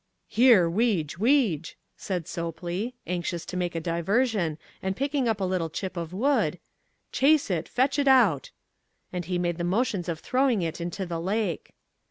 "Here, Weege, Weege," said Sopley, anxious to make a diversion and picking up a little chip of wood, "chase it, fetch it out!" and he made the motions of throwing it into the lake.